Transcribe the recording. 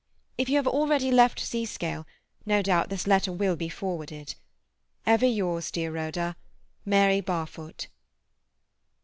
If you have already left Seascale, no doubt this letter will be forwarded.—Ever yours, dear Rhoda, MARY BARFOOT."